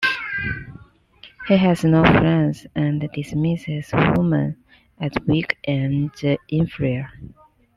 He has no friends, and dismisses women as weak and inferior.